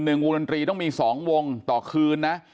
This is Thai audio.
หนึ่งวงดนตรีต้องมี๒วงต่อคืนนะ